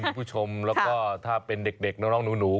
คุณผู้ชมแล้วก็ถ้าเป็นเด็กน้องหนู